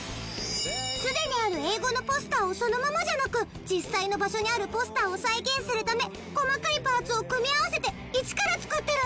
すでにある英語のポスターをそのままじゃなく実際の場所にあるポスターを再現するため細かいパーツを組み合わせて一から作ってるんだって。